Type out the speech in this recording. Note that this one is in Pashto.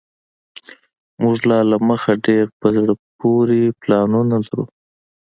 موږ لا دمخه ډیر په زړه پوري پلانونه لرو